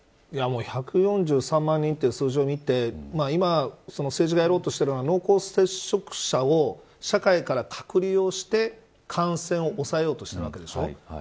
もう１４３万人って数字を見て今、政治がやろうとしている濃厚接触者を社会から隔離をして感染を抑えようとしているわけでしょ。